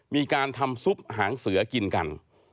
มีการทำซุปหางเสือกินกัน